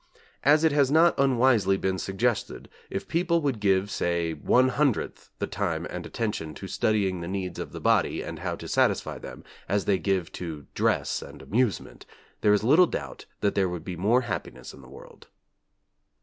As it has not unwisely been suggested, if people would give, say, one hundredth the time and attention to studying the needs of the body and how to satisfy them as they give to dress and amusement, there is little doubt that there would be more happiness in the world.